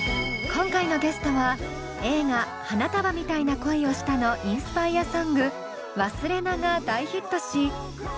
今回のゲストは映画「花束みたいな恋をした」のインスパイアソング「勿忘」が大ヒットし